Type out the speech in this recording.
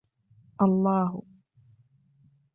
الله